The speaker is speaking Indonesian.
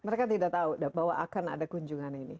mereka tidak tahu bahwa akan ada kunjungan ini